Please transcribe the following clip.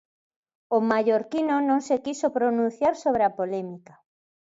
O mallorquino non se quixo pronunciar sobre a polémica.